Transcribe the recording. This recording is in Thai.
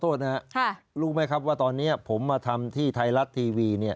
โทษนะครับรู้ไหมครับว่าตอนนี้ผมมาทำที่ไทยรัฐทีวีเนี่ย